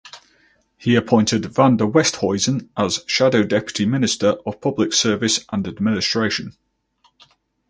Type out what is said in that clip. He appointed Van der Westhuizen as Shadow Deputy Minister of Public Service and Administration.